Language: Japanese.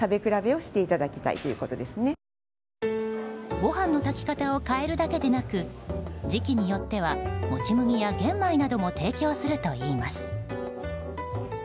ご飯の炊き方を変えるだけでなく時期によってはもち麦や玄米なども提供するといいます。